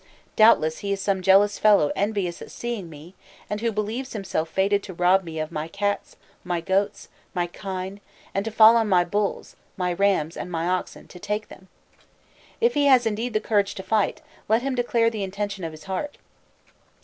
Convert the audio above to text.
Doubtless he is some jealous fellow envious at seeing me, and who believes himself fated to rob me of my cats, my goats, my kine, and to fall on my bulls, my rams, and my oxen, to take them.... If he has indeed the courage to fight, let him declare the intention of his heart!